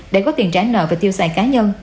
để có tiền trả nợ và tiêu xài cá nhân